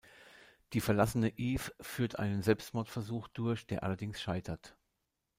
Die verlassene Eve führt einen Selbstmordversuch durch, der allerdings scheitert.